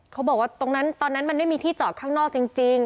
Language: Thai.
เขาบอกว่าตรงนั้นตอนนั้นมันไม่มีที่จอดข้างนอกจริง